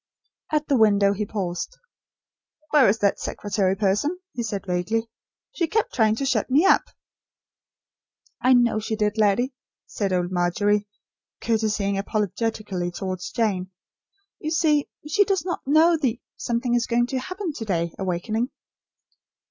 At the window he paused. "Where is that secretary person?" he said, vaguely. "She kept trying to shut me up." "I know she did, laddie," said old Margery, curtseying apologetically towards Jane. "You see she does not know the 'something is going to happen to day' awakening."